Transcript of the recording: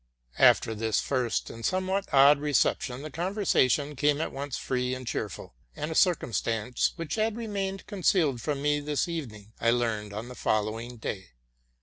After this first and somewhat odd reception, the conversa tion became at once free and cheerful; and a circumstance, which had remained concealed from me this evening, I learned on the following day.